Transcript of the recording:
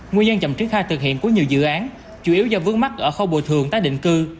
nguyên nhân chậm triển khai thực hiện của nhiều dự án chủ yếu do vướng mắt ở khâu bồi thường tái định cư